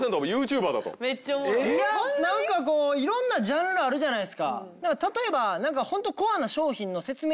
何かいろんなジャンルあるじゃないですか。